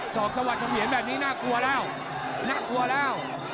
ส่องสวัสดิ์เฉียนแบบนี้น่ากลัวแล้ว